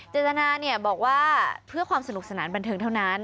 เจตนาบอกว่าเพื่อความสนุกสนานบันเทิงเท่านั้น